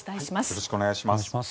よろしくお願いします。